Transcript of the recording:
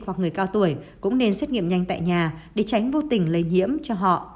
hoặc người cao tuổi cũng nên xét nghiệm nhanh tại nhà để tránh vô tình lây nhiễm cho họ